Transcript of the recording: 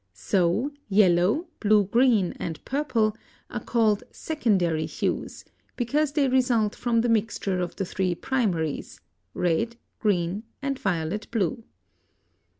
So yellow, blue green, and purple are called secondary hues because they result from the mixture of the three primaries, red, green, and violet blue.